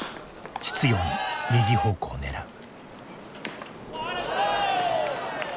執ように右方向を狙う。